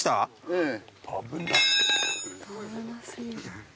うん。